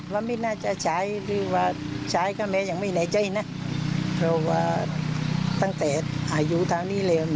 ว่าไม่น่าจะใช้หรือว่าใช้ก็แม่ยังมีในใจนะเพราะว่าตั้งแต่อายุทางนี้แล้ว